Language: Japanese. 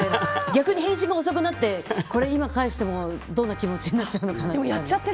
逆に返信が遅くなって今、返してもどんな気持ちになっちゃうのかなって。